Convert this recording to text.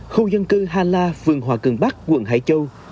khu dân cư hà la vườn hòa cường bắc quận hải châu